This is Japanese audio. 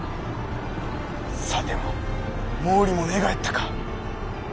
さては毛利も寝返ったか。